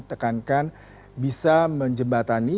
tekankan bisa menjembatani